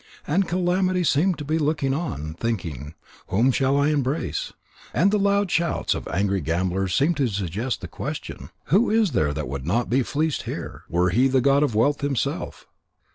And Calamity seemed to be looking on, thinking: "Whom shall I embrace?" And the loud shouts of angry gamblers seemed to suggest the question: "Who is there that would not be fleeced here, were he the god of wealth himself?"